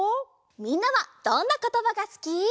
みんなはどんなことばがすき？